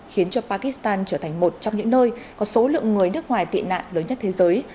khiến cho pakistan trở thành một trong những nơi có số lượng người nước ngoài tị nạn lớn nhất thế giới